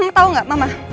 mama tahu nggak mama